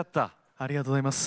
ありがとうございます。